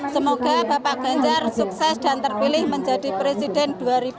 semoga bapak ganjar sukses dan terpilih menjadi presiden dua ribu dua puluh